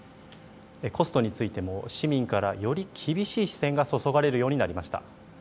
コストについても市民からより厳しい視線が注がれるようになりました。